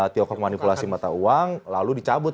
tiongkok manipulasi mata uang lalu dicabut